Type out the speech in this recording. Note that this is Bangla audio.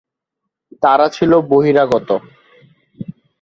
তারা ছিল বহিরাগত।